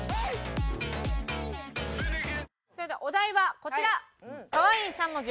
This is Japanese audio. それではお題はこちら！